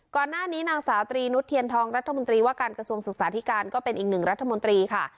นางสาวตรีนุษเทียนทองรัฐมนตรีว่าการกระทรวงศึกษาธิการก็เป็นอีกหนึ่งรัฐมนตรีค่ะ